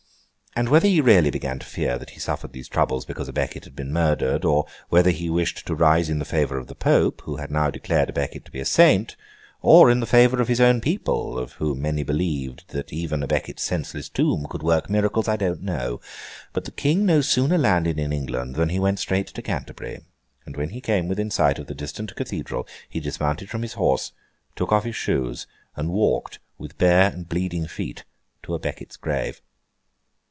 And whether he really began to fear that he suffered these troubles because à Becket had been murdered; or whether he wished to rise in the favour of the Pope, who had now declared à Becket to be a saint, or in the favour of his own people, of whom many believed that even à Becket's senseless tomb could work miracles, I don't know: but the King no sooner landed in England than he went straight to Canterbury; and when he came within sight of the distant Cathedral, he dismounted from his horse, took off his shoes, and walked with bare and bleeding feet to à Becket's grave.